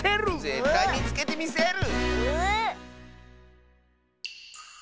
ぜったいみつけてみせる！